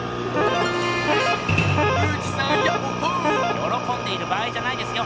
よろこんでいる場合じゃないですよ